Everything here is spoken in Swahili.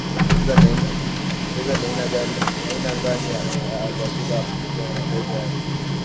elezea ni aina ngani ya vyakula mtu anastahili ale